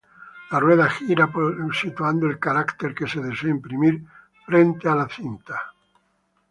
La rueda gira posicionando el carácter que se desea imprimir frente a la cinta.